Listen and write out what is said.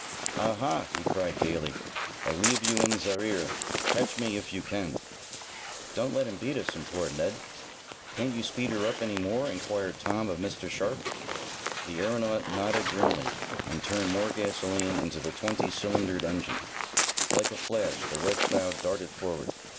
"Ah, ha!" he cried gaily, "I leave you in ze rear! Catch me if you can!" "Don't let him beat us," implored Ned. "Can't you speed her up any more?" inquired Tom of Mr. Sharp. The aeronaut nodded grimly, and turned more gasolene into the twenty cylindered engine. Like a flash the Red Cloud darted forward.